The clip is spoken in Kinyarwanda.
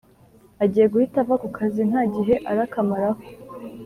agiye guhita ava kukazi ntagihe arakamaraho